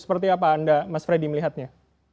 seperti apa anda mas freddy melihatnya